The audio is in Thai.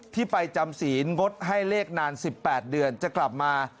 ที่ไปจำศีลงดให้เลขนาน๑๘เดือนจะกลับมา